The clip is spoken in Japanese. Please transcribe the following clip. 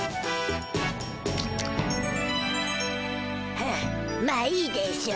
はあまあいいでしょう。